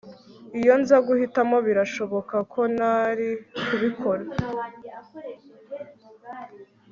Iyo nza guhitamo birashoboka ko ntari kubikora